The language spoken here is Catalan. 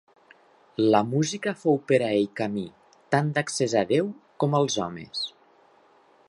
La música fou per a ell camí tant d'accés a Déu com als homes.